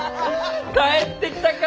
帰ってきたか！